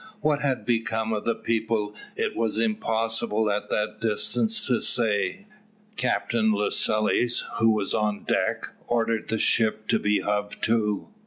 What had become of the people it was impossible at that distance to say. Captain Lascelles, who was on deck, ordered the ship to be hove to.